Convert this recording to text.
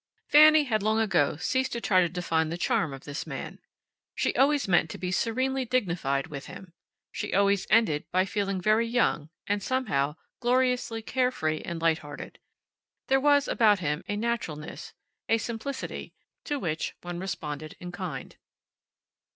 Fanny had long ago ceased to try to define the charm of this man. She always meant to be serenely dignified with him. She always ended by feeling very young, and, somehow, gloriously carefree and lighthearted. There was about him a naturalness, a simplicity, to which one responded in kind.